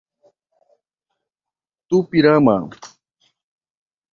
Tupirama